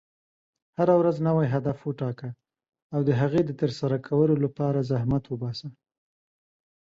هره ورځ نوی هدف وټاکه، او د هغې د ترسره کولو لپاره زحمت وباسه.